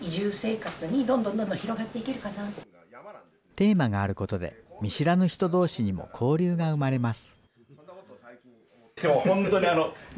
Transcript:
テーマがあることで、見知らぬ人どうしにも交流が生まれます。